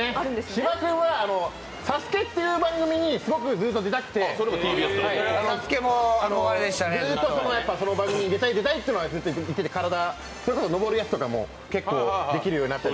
芝君は「ＳＡＳＵＫＥ」という番組にすごくずーっと出たくて、ずっとその番組に出たい、出たいって言っててそれこそ登るやつとかも結構できるようになってて。